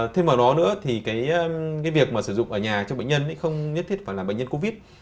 thêm vào đó nữa thì cái việc mà sử dụng ở nhà cho bệnh nhân không nhất thiết phải là bệnh nhân covid